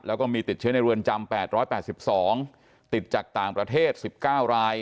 แล้วก็มีติดเชื้อในเรือนจำ๘๘๒ติดจากต่างประเทศ๑๙ราย